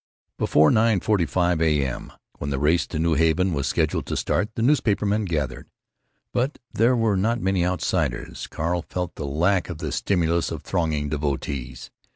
Before 9.45 a.m., when the race to New Haven was scheduled to start, the newspaper men gathered; but there were not many outsiders. Carl felt the lack of the stimulus of thronging devotees.